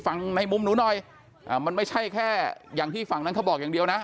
ในมุมหนูหน่อยอ่ามันไม่ใช่แค่อย่างที่ฝั่งนั้นเขาบอกอย่างเดียวนะ